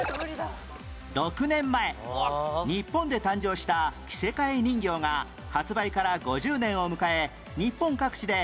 ６年前日本で誕生した着せ替え人形が発売から５０年を迎え日本各地で展覧会を開催